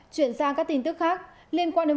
chuyển sang các tin tức khác liên quan đến